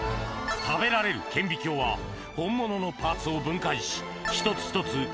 食べられる顕微鏡は本物のパーツを分解し一つ一つ